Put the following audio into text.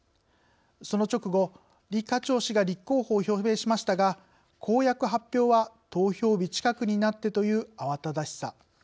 その直後、李家超氏が立候補を表明しましたが公約発表は投票日近くになってという慌ただしさ。